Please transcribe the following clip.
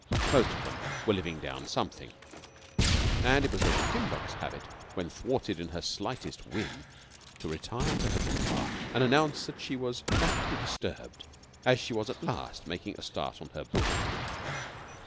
Most of them were living down something, and it was Lady Kimbuck's habit, when thwarted in her lightest whim, to retire to her boudoir and announce that she was not to be disturbed as she was at last making a start on her book.